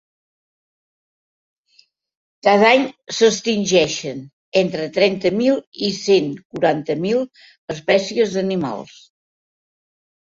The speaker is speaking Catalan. Cada any s’extingeixen entre trenta mil i cent quaranta mil espècies d’animals.